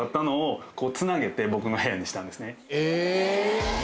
え！